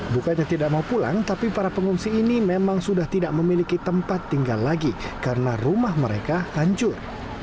bukannya tidak mau pulang tapi para pengungsi ini memang sudah tidak memiliki tempat tinggal lagi karena rumah mereka hancur